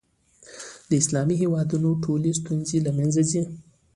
د اسلامي هېوادونو ټولې ستونزې له منځه ځي.